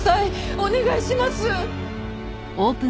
お願いします！